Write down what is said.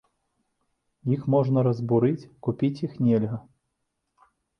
Іх можна разбурыць, купіць іх нельга.